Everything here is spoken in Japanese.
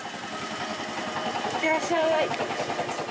いってらっしゃい！